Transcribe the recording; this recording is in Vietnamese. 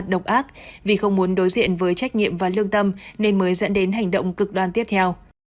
độc ác vì không muốn đối diện với trách nhiệm và lương tâm nên mới dẫn đến hành động cực đoan tiếp theo